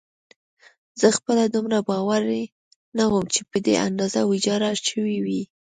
زه خپله دومره باوري نه وم چې په دې اندازه ویجاړه شوې وي.